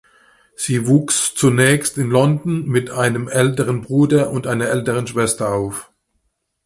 Sie wuchs zunächst in London mit einem älteren Bruder und einer älteren Schwester auf.